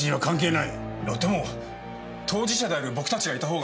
いやでも当事者である僕たちがいたほうが。